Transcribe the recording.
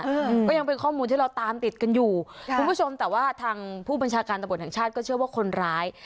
อืมก็ยังเป็นข้อมูลที่เราตามติดกันอยู่ค่ะคุณผู้ชมแต่ว่าทางผู้บัญชาการตำรวจแห่งชาติก็เชื่อว่าคนร้าย